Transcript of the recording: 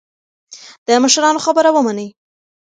د مشرانو خبره ومنئ.